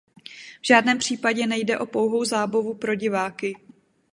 V žádném případě nejde o pouhou zábavu pro diváky.